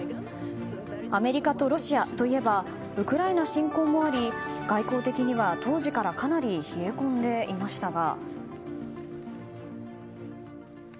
アメリカとロシアといえばウクライナ侵攻もあり外交的には当時からかなり冷え込んでいましたが。